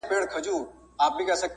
په تلکه کې مې بندي غبرګې پښې دي